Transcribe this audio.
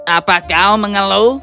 apakah kamu mengeluh